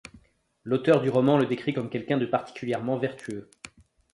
L'auteur du roman le décrit comme quelqu'un de particulièrement vertueux.